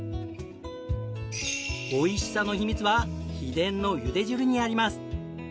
おいしさの秘密は秘伝の茹で汁にあります。